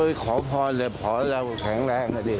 พระขอพรเลยพอแล้วแข็งแรงก็ดี